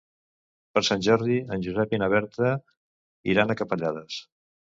Per Sant Jordi en Josep i na Berta iran a Capellades.